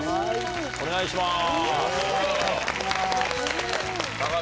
お願いします。